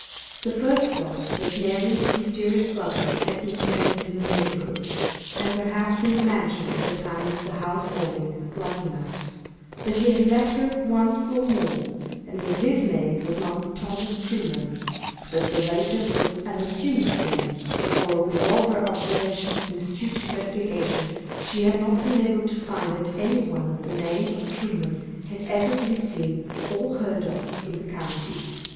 The first was, that Marian's mysterious lover had been present in the neighborhood, and perhaps, in the mansion at the time of the house warming at Luckenough that he had met her once or more, and that his name was not Thomas Truman that the latter was an assumed name, for, with all her observation and astute investigation, she had not been able to find that any one of the name of Truman had ever been seen or heard of in the county.